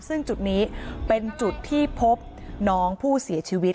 ซึ่งจุดนี้เป็นจุดที่พบน้องผู้เสียชีวิต